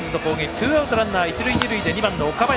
ツーアウト、ランナー一塁二塁で２番の岡林。